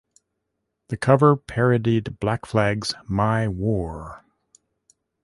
The cover parodied Black Flag's "My War".